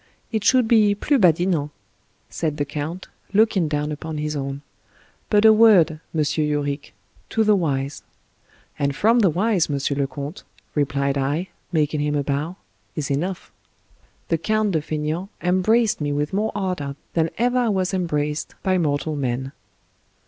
" It should be plus badinant," said the count, looking down upon his own ;" but a word, M. Yorick, to the wise " "And from the wise, M. le Comte," replied I, making him a bow, " is enough." The Count de Faineant embraced me with more ardor than ever I was embraced by mortal man.